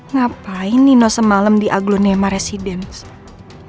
ngapain nino semalam di aglo nema residence